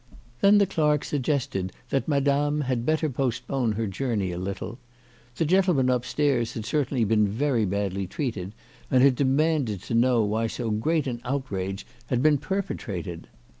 Then the clerk suggested that Madame had better postpone her journey a little. The gentleman upstairs had certainly been very badly treated, and had de manded to know why so great an outrage had been perpetrated.